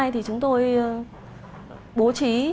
thì chúng tôi bố trí